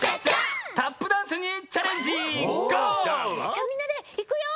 じゃあみんなでいくよ！